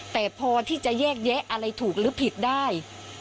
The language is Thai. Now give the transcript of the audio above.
แต่พอที่จะแยกแยะอะไรถูกหรือผิดได้